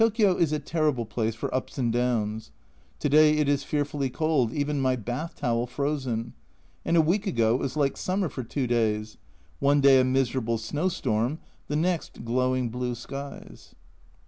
Tokio is a terrible place for ups and downs. To day it is fearfully cold, even my bath towel frozen ; and a week ago it was like summer for two days one day a miserable snowstorm, the next glowing blue skies.